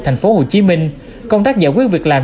tp hcm công tác giải quyết việc làm